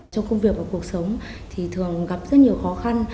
trong công việc và cuộc sống thì thường gặp rất nhiều khó khăn